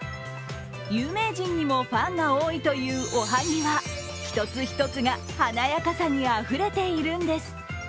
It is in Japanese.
有名人にもファンが多いというおはぎは一つ一つが華やかさにあふれているんです。